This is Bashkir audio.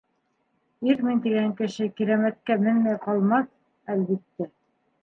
Ирмен тигән кеше Кирәмәткә менмәй ҡалмаҫ, әлбиттә.